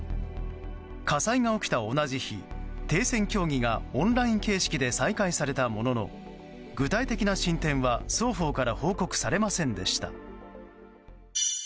火災が起きた同じ日、停戦協議がオンライン形式で再開されたものの具体的な進展は双方から報告されませんでした。